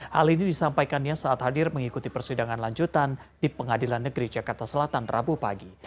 hal ini disampaikannya saat hadir mengikuti persidangan lanjutan di pengadilan negeri jakarta selatan rabu pagi